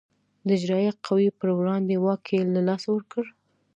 د اجرایه قوې پر وړاندې واک یې له لاسه ورکړ.